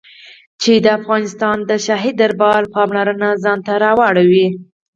چې د افغانستان د شاهي دربار پاملرنه ځان ته را واړوي.